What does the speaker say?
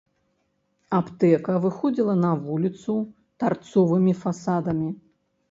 Аптэка выходзіла на вуліцу тарцовымі фасадамі.